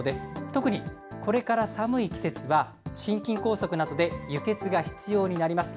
特にこれから寒い季節は、心筋梗塞などで輸血が必要になります。